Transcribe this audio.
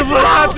itu bulu hati